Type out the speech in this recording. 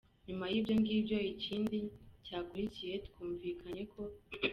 nyuma yibyo ngibyo ikindi cyakurikiye twumvikanye ko.